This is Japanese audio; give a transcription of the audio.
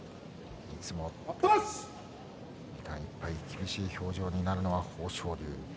厳しい表情になるのは豊昇龍。